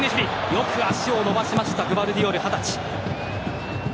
よく足を伸ばしたグヴァルディオル、二十歳。